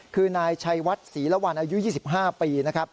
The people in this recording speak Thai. คือนายชัยวัดศรีละวันอายุ๒๕ปีนะครับ